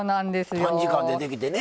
短時間でできてね。